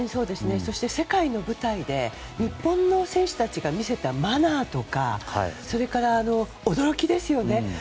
そして世界の舞台で日本の選手たちが見せたマナーとかそれから驚きですよね。